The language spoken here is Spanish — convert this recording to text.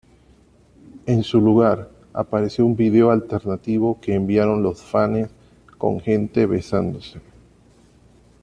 En su lugar, apareció un video alternativo que enviaron los fanes con gente besándose.